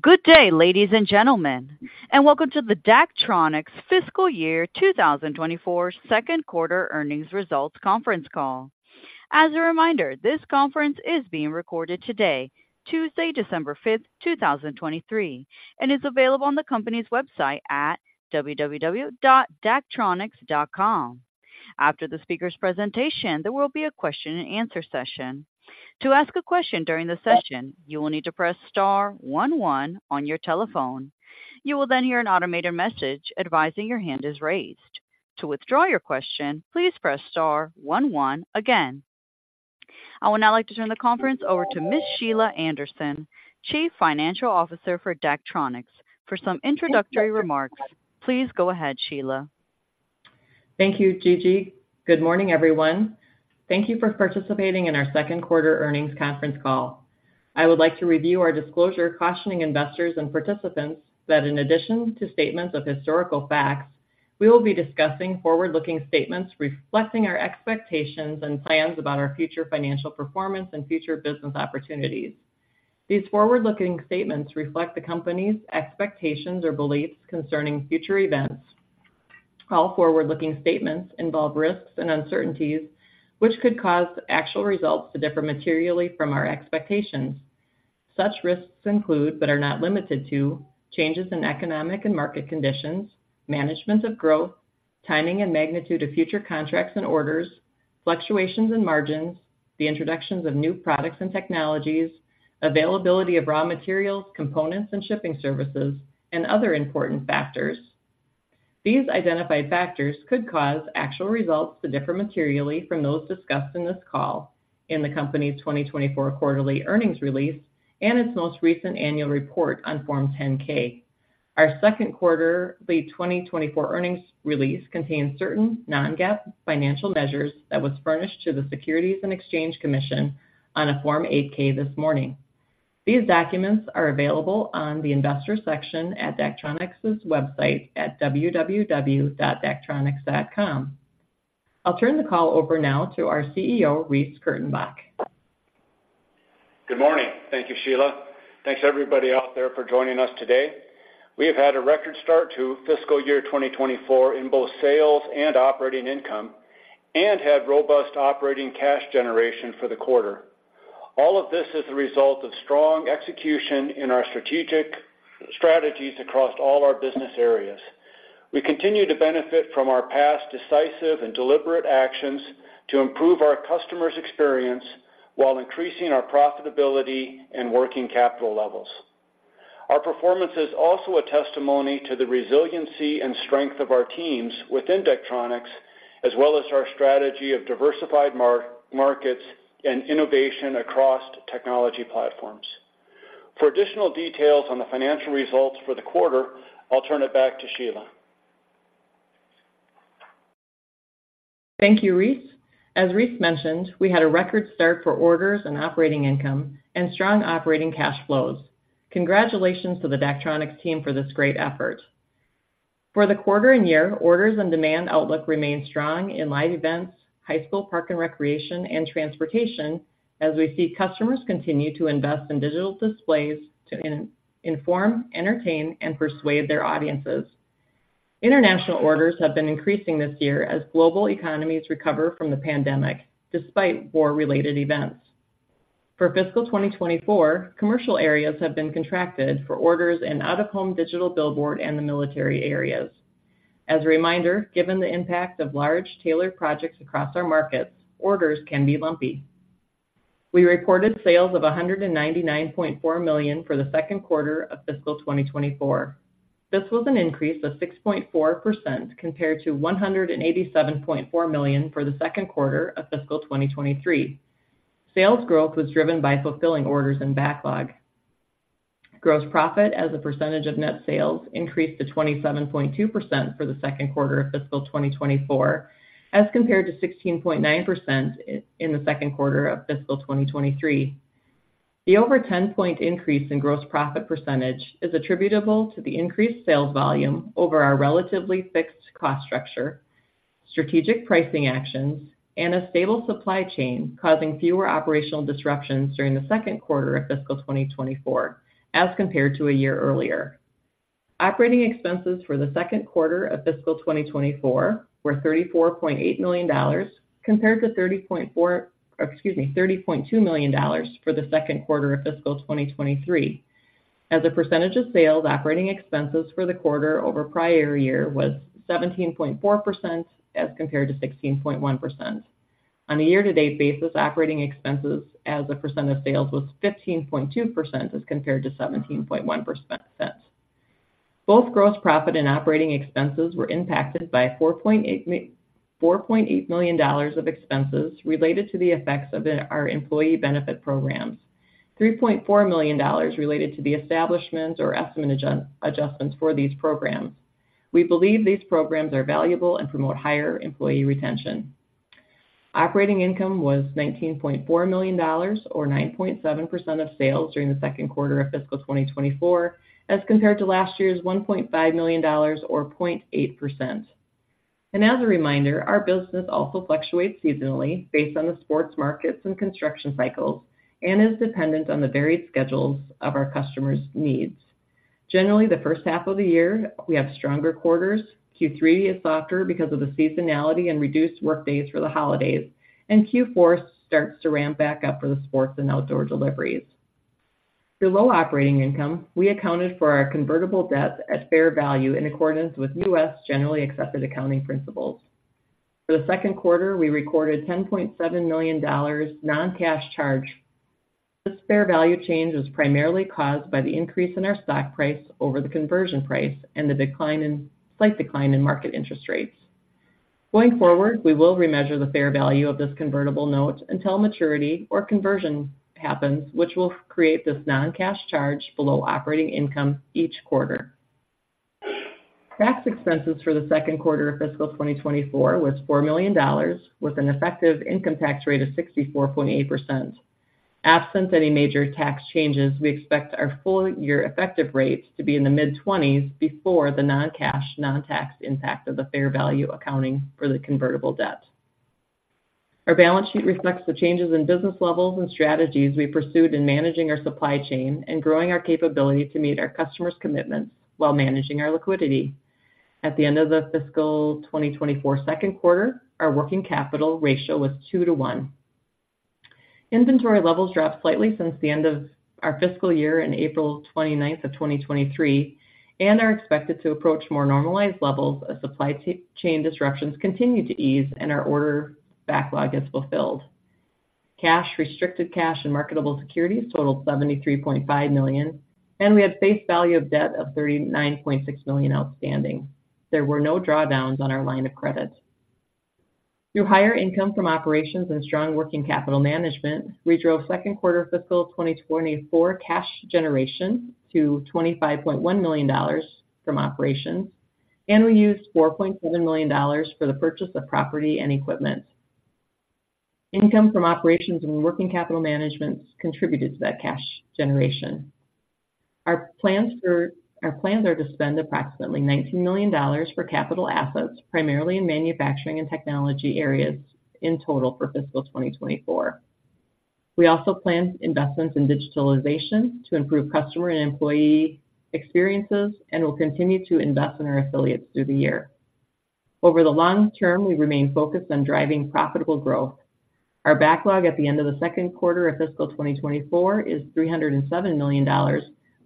Good day, ladies and gentlemen, and welcome to the Daktronics Fiscal Year 2024 second quarter earnings results conference call. As a reminder, this conference is being recorded today, Tuesday, December fifth, 2023, and is available on the company's website at www.daktronics.com. After the speaker's presentation, there will be a question-and-answer session. To ask a question during the session, you will need to press star one one on your telephone. You will then hear an automated message advising your hand is raised. To withdraw your question, please press star one one again. I would now like to turn the conference over to Ms. Sheila Anderson, Chief Financial Officer for Daktronics, for some introductory remarks. Please go ahead, Sheila. Thank you, Gigi. Good morning, everyone. Thank you for participating in our second quarter earnings conference call. I would like to review our disclosure cautioning investors and participants that in addition to statements of historical facts, we will be discussing forward-looking statements reflecting our expectations and plans about our future financial performance and future business opportunities. These forward-looking statements reflect the company's expectations or beliefs concerning future events. All forward-looking statements involve risks and uncertainties, which could cause actual results to differ materially from our expectations. Such risks include, but are not limited to, changes in economic and market conditions, management of growth, timing and magnitude of future contracts and orders, fluctuations in margins, the introductions of new products and technologies, availability of raw materials, components and shipping services, and other important factors. These identified factors could cause actual results to differ materially from those discussed in this call, in the company's 2024 quarterly earnings release, and its most recent annual report on Form 10-K. Our second quarter of the 2024 earnings release contains certain Non-GAAP financial measures that was furnished to the Securities and Exchange Commission on a Form 8-K this morning. These documents are available on the investors section at Daktronics' website at www.daktronics.com. I'll turn the call over now to our CEO, Reece Kurtenbach. Good morning. Thank you, Sheila. Thanks, everybody out there for joining us today. We have had a record start to fiscal year 2024 in both sales and operating income, and had robust operating cash generation for the quarter. All of this is a result of strong execution in our strategic strategies across all our business areas. We continue to benefit from our past decisive and deliberate actions to improve our customers' experience while increasing our profitability and working capital levels. Our performance is also a testimony to the resiliency and strength of our teams within Daktronics, as well as our strategy of diversified markets and innovation across technology platforms. For additional details on the financial results for the quarter, I'll turn it back to Sheila. Thank you, Reece. As Reece mentioned, we had a record start for orders and operating income and strong operating cash flows. Congratulations to the Daktronics team for this great effort. For the quarter and year, orders and demand outlook remain strong in live events, high school, park and recreation, and transportation, as we see customers continue to invest in digital displays to inform, entertain, and persuade their audiences. International orders have been increasing this year as global economies recover from the pandemic despite war-related events. For fiscal 2024, commercial areas have been contracted for orders in out-of-home digital billboard and the military areas. As a reminder, given the impact of large tailored projects across our markets, orders can be lumpy. We reported sales of $199.4 million for the second quarter of fiscal 2024. This was an increase of 6.4% compared to $187.4 million for the second quarter of fiscal 2023. Sales growth was driven by fulfilling orders and backlog. Gross profit as a percentage of net sales increased to 27.2% for the second quarter of fiscal 2024, as compared to 16.9% in the second quarter of fiscal 2023. The over 10-point increase in gross profit percentage is attributable to the increased sales volume over our relatively fixed cost structure, strategic pricing actions, and a stable supply chain, causing fewer operational disruptions during the second quarter of fiscal 2024 as compared to a year earlier. Operating expenses for the second quarter of fiscal 2024 were $34.8 million, compared to thirty point four, or excuse me, $30.2 million for the second quarter of fiscal 2023. As a percentage of sales, operating expenses for the quarter over prior year was 17.4% as compared to 16.1%. On a year-to-date basis, operating expenses as a percent of sales was 15.2% as compared to 17.1%. Both gross profit and operating expenses were impacted by $4.8, $4.8 million of expenses related to the effects of the, our employee benefit programs. $3.4 million related to the establishment or estimated adjustments for these programs. We believe these programs are valuable and promote higher employee retention. Operating income was $19.4 million, or 9.7% of sales during the second quarter of fiscal 2024, as compared to last year's $1.5 million, or 0.8%. As a reminder, our business also fluctuates seasonally based on the sports markets and construction cycles, and is dependent on the varied schedules of our customers' needs. Generally, the first half of the year, we have stronger quarters. Q3 is softer because of the seasonality and reduced work days for the holidays, and Q4 starts to ramp back up for the sports and outdoor deliveries. Below operating income, we accounted for our convertible debt at fair value in accordance with U.S. generally accepted accounting principles. For the second quarter, we recorded $10.7 million non-cash charge. This fair value change is primarily caused by the increase in our stock price over the conversion price and the slight decline in market interest rates. Going forward, we will remeasure the fair value of this convertible note until maturity or conversion happens, which will create this non-cash charge below operating income each quarter. Tax expenses for the second quarter of fiscal 2024 was $4 million, with an effective income tax rate of 64.8%. Absent any major tax changes, we expect our full year effective rates to be in the mid-20s before the non-cash, non-tax impact of the fair value accounting for the convertible debt. Our balance sheet reflects the changes in business levels and strategies we pursued in managing our supply chain and growing our capability to meet our customers' commitments while managing our liquidity. At the end of the fiscal 2024 second quarter, our working capital ratio was 2-to-1. Inventory levels dropped slightly since the end of our fiscal year in April 29, 2023, and are expected to approach more normalized levels as supply chain disruptions continue to ease and our order backlog is fulfilled. Cash, restricted cash and marketable securities totaled $73.5 million, and we had face value of debt of $39.6 million outstanding. There were no drawdowns on our line of credit. Through higher income from operations and strong working capital management, we drove second quarter fiscal 2024 cash generation to $25.1 million from operations, and we used $4.7 million for the purchase of property and equipment. Income from operations and working capital management contributed to that cash generation. Our plans are to spend approximately $19 million for capital assets, primarily in manufacturing and technology areas in total for fiscal 2024. We also plan investments in digitalization to improve customer and employee experiences and will continue to invest in our affiliates through the year. Over the long term, we remain focused on driving profitable growth. Our backlog at the end of the second quarter of fiscal 2024 is $307 million,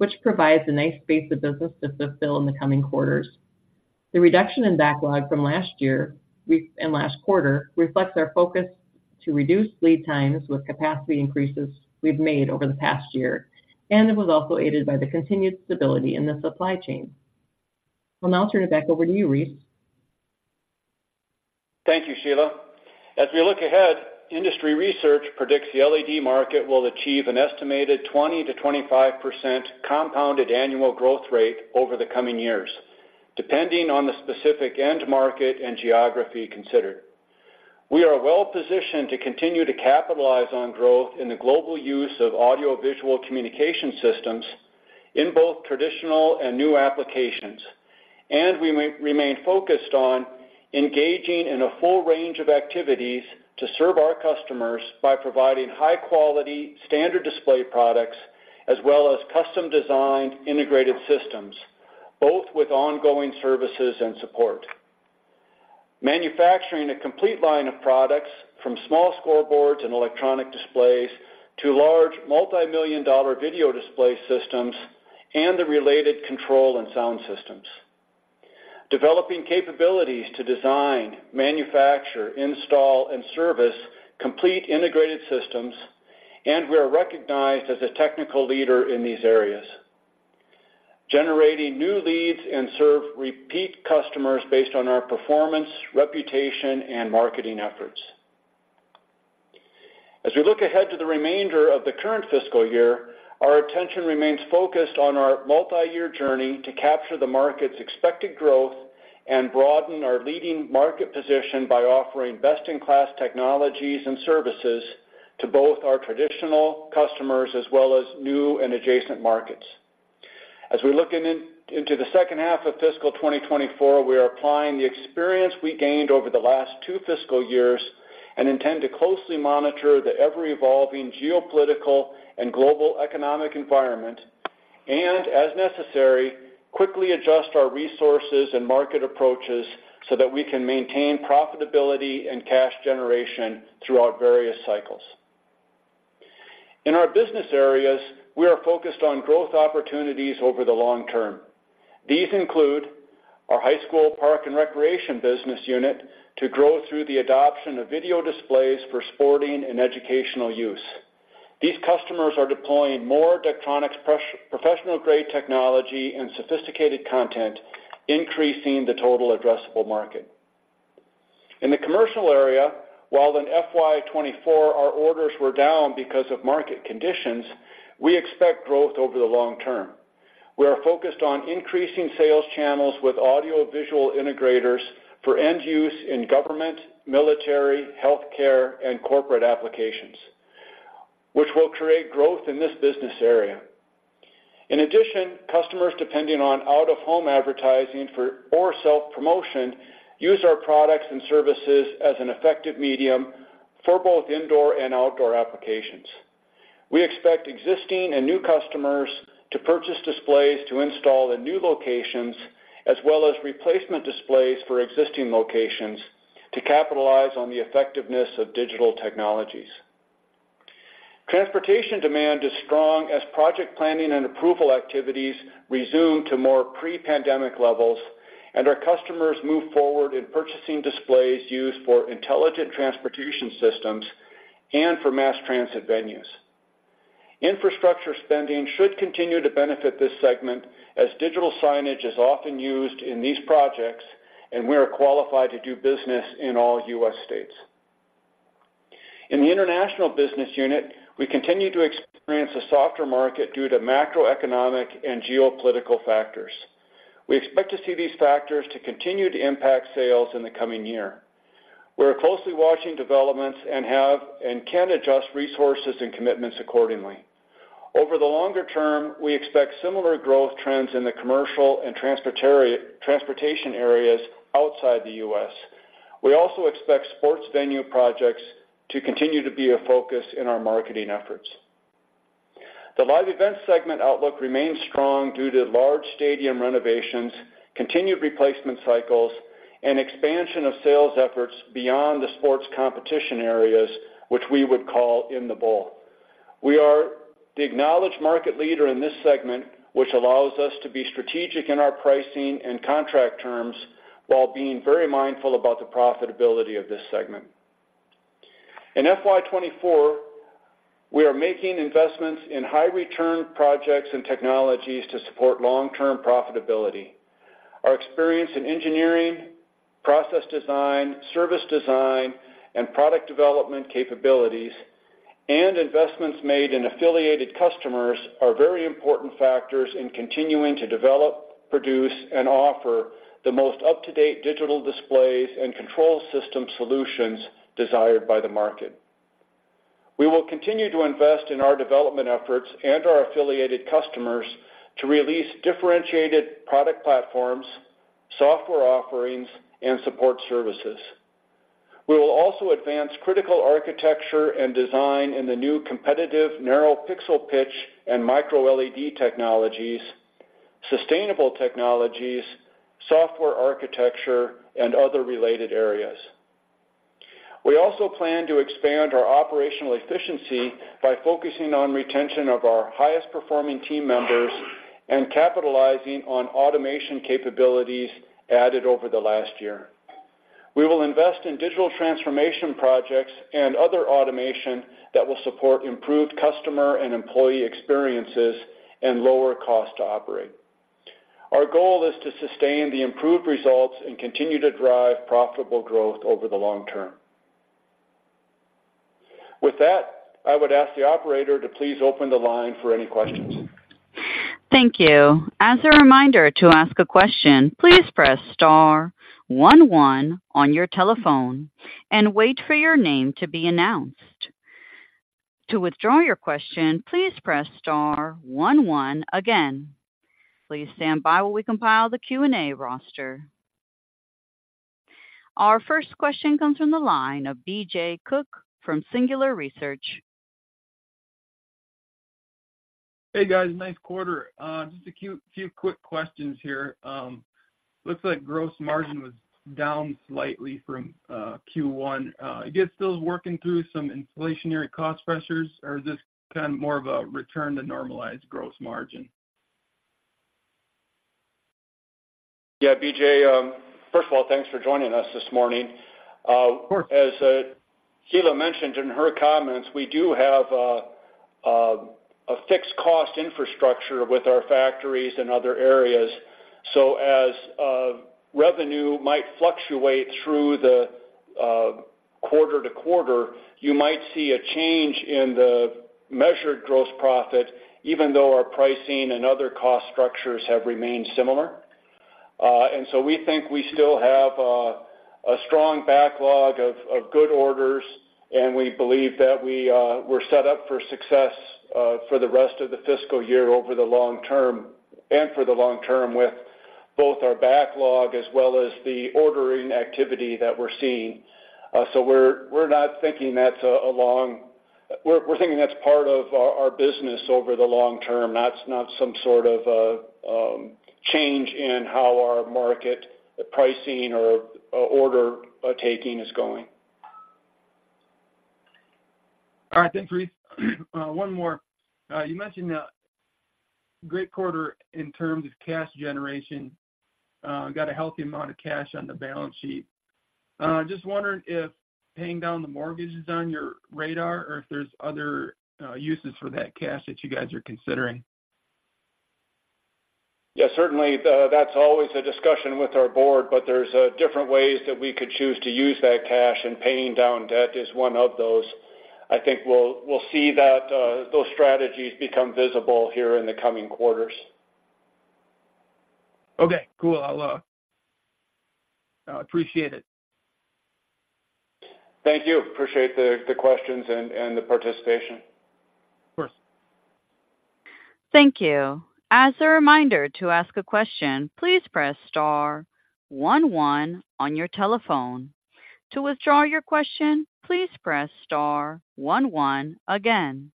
which provides a nice base of business to fulfill in the coming quarters. The reduction in backlog from last year and last quarter reflects our focus to reduce lead times with capacity increases we've made over the past year, and it was also aided by the continued stability in the supply chain. Well, now I'll turn it back over to you, Reece. Thank you, Sheila. As we look ahead, industry research predicts the LED market will achieve an estimated 20%-25% compounded annual growth rate over the coming years, depending on the specific end market and geography considered. We are well positioned to continue to capitalize on growth in the global use of audiovisual communication systems in both traditional and new applications. And we remain focused on engaging in a full range of activities to serve our customers by providing high-quality standard display products, as well as custom-designed integrated systems, both with ongoing services and support. Manufacturing a complete line of products, from small scoreboards and electronic displays to large, multimillion-dollar video display systems, and the related control and sound systems. Developing capabilities to design, manufacture, install, and service complete integrated systems, and we are recognized as a technical leader in these areas. Generating new leads and serve repeat customers based on our performance, reputation, and marketing efforts. As we look ahead to the remainder of the current fiscal year, our attention remains focused on our multi-year journey to capture the market's expected growth and broaden our leading market position by offering best-in-class technologies and services to both our traditional customers as well as new and adjacent markets. As we look into the second half of fiscal 2024, we are applying the experience we gained over the last two fiscal years and intend to closely monitor the ever-evolving geopolitical and global economic environment, and as necessary, quickly adjust our resources and market approaches so that we can maintain profitability and cash generation throughout various cycles. In our business areas, we are focused on growth opportunities over the long term. These include our high school park and recreation business unit to grow through the adoption of video displays for sporting and educational use. These customers are deploying more Daktronics professional-grade technology and sophisticated content, increasing the total addressable market. In the commercial area, while in FY 2024, our orders were down because of market conditions, we expect growth over the long term. We are focused on increasing sales channels with audiovisual integrators for end use in government, military, healthcare, and corporate applications, which will create growth in this business area. In addition, customers depending on out-of-home advertising for or self-promotion use our products and services as an effective medium for both indoor and outdoor applications. We expect existing and new customers to purchase displays to install in new locations, as well as replacement displays for existing locations to capitalize on the effectiveness of digital technologies. Transportation demand is strong as project planning and approval activities resume to more pre-pandemic levels, and our customers move forward in purchasing displays used for intelligent transportation systems and for mass transit venues. Infrastructure spending should continue to benefit this segment as digital signage is often used in these projects, and we are qualified to do business in all U.S. states. In the international business unit, we continue to experience a softer market due to macroeconomic and geopolitical factors. We expect to see these factors to continue to impact sales in the coming year. We are closely watching developments and have, and can adjust resources and commitments accordingly. Over the longer term, we expect similar growth trends in the commercial and transportation areas outside the U.S. We also expect sports venue projects to continue to be a focus in our marketing efforts. The live event segment outlook remains strong due to large stadium renovations, continued replacement cycles, and expansion of sales efforts beyond the sports competition areas, which we would call in the bowl. We are the acknowledged market leader in this segment, which allows us to be strategic in our pricing and contract terms, while being very mindful about the profitability of this segment. In FY 2024, we are making investments in high-return projects and technologies to support long-term profitability. Our experience in engineering, process design, service design, and product development capabilities, and investments made in affiliated customers are very important factors in continuing to develop, produce, and offer the most up-to-date digital displays and control system solutions desired by the market. We will continue to invest in our development efforts and our affiliated customers to release differentiated product platforms, software offerings, and support services. We will also advance critical architecture and design in the new competitive narrow pixel pitch and Micro LED technologies, sustainable technologies, software architecture, and other related areas. We also plan to expand our operational efficiency by focusing on retention of our highest-performing team members and capitalizing on automation capabilities added over the last year. We will invest in digital transformation projects and other automation that will support improved customer and employee experiences and lower cost to operate. Our goal is to sustain the improved results and continue to drive profitable growth over the long term. With that, I would ask the operator to please open the line for any questions. Thank you. As a reminder, to ask a question, please press star one one on your telephone and wait for your name to be announced. To withdraw your question, please press star one one again. Please stand by while we compile the Q&A roster. Our first question comes from the line of BJ Cook from Singular Research. Hey, guys, nice quarter. Just a few quick questions here. Looks like gross margin was down slightly from Q1. I guess still working through some inflationary cost pressures, or is this kind of more of a return to normalized gross margin? Yeah, BJ, first of all, thanks for joining us this morning. Of course. As Sheila mentioned in her comments, we do have a fixed cost infrastructure with our factories and other areas. So as revenue might fluctuate through the quarter-to-quarter, you might see a change in the measured gross profit, even though our pricing and other cost structures have remained similar. And so we think we still have a strong backlog of good orders, and we believe that we're set up for success for the rest of the fiscal year over the long term, and for the long term with both our backlog as well as the ordering activity that we're seeing. So we're not thinking that's a long—we're thinking that's part of our business over the long term. That's not some sort of a change in how our market, the pricing or order taking is going. All right. Thanks, Reece. One more. You mentioned a great quarter in terms of cash generation, got a healthy amount of cash on the balance sheet. Just wondering if paying down the mortgage is on your radar or if there's other uses for that cash that you guys are considering. Yes, certainly, that's always a discussion with our board, but there's different ways that we could choose to use that cash, and paying down debt is one of those. I think we'll see that those strategies become visible here in the coming quarters. Okay, cool. I'll appreciate it. Thank you. Appreciate the questions and the participation. Of course. Thank you. As a reminder to ask a question, please press star one one on your telephone. To withdraw your question, please press star one one again.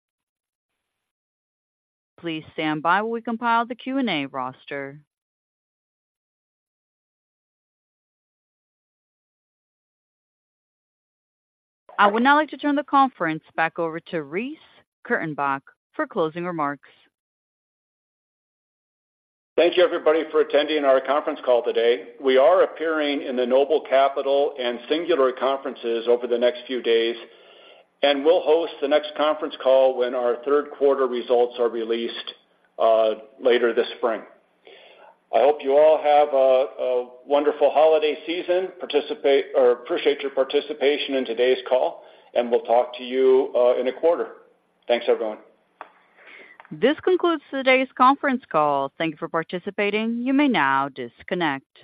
Please stand by while we compile the Q&A roster. I would now like to turn the conference back over to Reece Kurtenbach for closing remarks. Thank you, everybody, for attending our conference call today. We are appearing in the Noble Capital and Singular conferences over the next few days, and we'll host the next conference call when our third-quarter results are released later this spring. I hope you all have a wonderful holiday season. Appreciate your participation in today's call, and we'll talk to you in a quarter. Thanks, everyone. This concludes today's conference call. Thank you for participating. You may now disconnect.